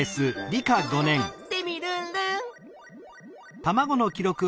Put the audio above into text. テミルンルン！